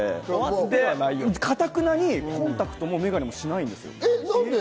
頑なにコンタクトもメガネもしないんですよ。